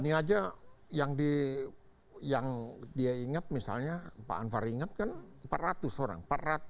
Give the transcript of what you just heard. ini aja yang dia ingat misalnya pak anwar ingat kan empat ratus orang